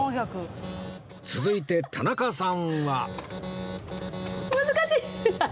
続いて田中さんは「」